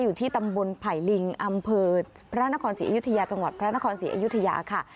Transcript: อยู่ที่ตำบลไผ่ลิงอำเภอพระนครศรีอยุธยาจังหวัดพระนครศรีอยุธยาค่ะ